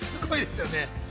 すごいですよね。